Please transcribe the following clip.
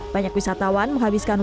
banyak wisatawan menghabiskan walau